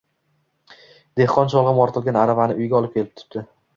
Dehqon sholg’om ortilgan aravani uyiga olib ketibdi